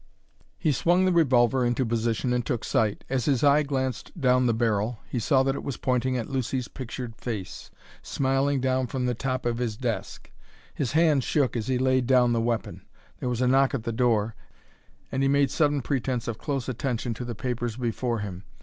He swung the revolver into position and took sight. As his eye glanced down the barrel he saw that it was pointing at Lucy's pictured face, smiling down from the top of his desk; his hand shook as he laid down the weapon. There was a knock at the door, and he made sudden pretence of close attention to the papers before him.